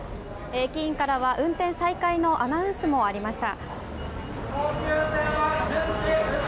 駅員からは運転再開のアナウンスもありました。